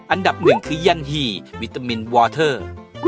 อันดับ๑คือยันหี่วิตามินวอเทอร์